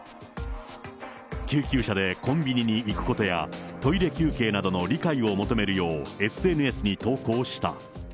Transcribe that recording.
救急車でコンビニに行くことや、トイレ休憩などの理解を求めるよう、ＳＮＳに投稿した。